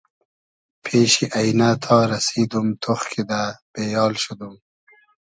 پېشی اݷنۂ تا رئسیدوم ، تۉخ کیدۂ بې آل شودوم